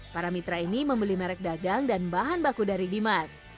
para mitra ini membeli merek dagang dan bahan baku dari dimas